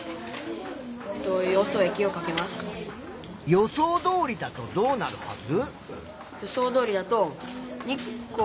予想どおりだとどうなるはず？